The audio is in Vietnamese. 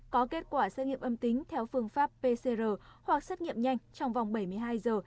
có kết quả xét nghiệm âm tính theo phương pháp pcr hoặc xét nghiệm nhanh trong vòng bảy mươi hai giờ